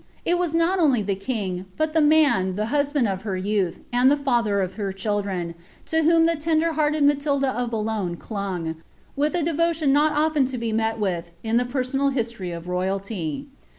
it was not the king, but the man, the hus band of her youtli, and the fcther of her children, to whom the icMlef beuted Hatilda of Boulogne clung, with a devotion not often lo be met wiili in the personal history of royalty.